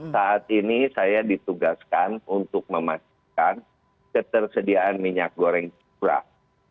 saat ini saya ditugaskan untuk memastikan ketersediaan minyak goreng curah